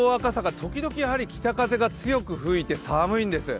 時々北風が強く吹いて寒いんです。